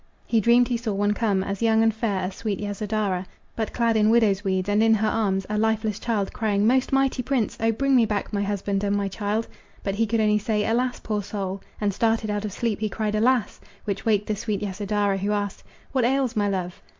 He dreamed he saw one come, As young and fair as sweet Yasodhara, But clad in widow's weeds, and in her arms A lifeless child, crying: "Most mighty prince! O bring me back my husband and my child!" But he could only say "Alas! poor soul!" And started out of sleep he cried "Alas!" Which waked the sweet Yasodhara, who asked, "What ails my love?"